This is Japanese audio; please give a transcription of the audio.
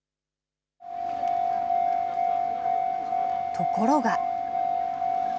ところが。